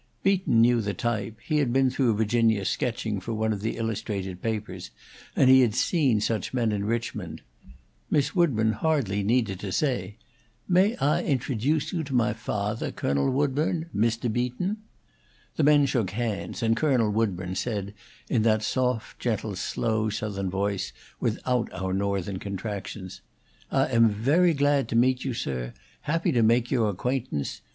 Beaton knew the type; he had been through Virginia sketching for one of the illustrated papers, and he had seen such men in Richmond. Miss Woodburn hardly needed to say, "May Ah introduce you to mah fathaw, Co'nel Woodburn, Mr. Beaton?" The men shook hands, and Colonel Woodburn said, in that soft, gentle, slow Southern voice without our Northern contractions: "I am very glad to meet you, sir; happy to make yo' acquaintance.